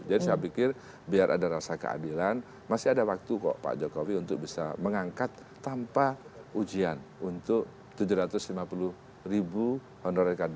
jadi saya pikir biar ada rasa keadilan masih ada waktu kok pak jokowi untuk bisa mengangkat tanpa ujian untuk tujuh ratus lima puluh ribu honorar k dua